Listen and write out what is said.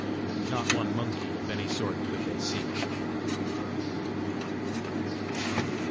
Not one monkey of any sort could they see.